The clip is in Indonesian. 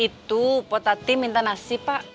itu potati minta nasi pak